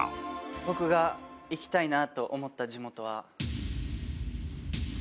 僕が行きたいなと思った地元は。